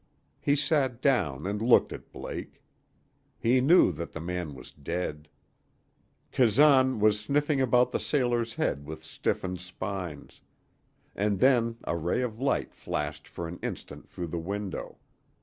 He sat down and looked at Blake. He knew that the man was dead. Kazan was sniffing about the sailor's head with stiffened spines. And then a ray of light flashed for an instant through the window.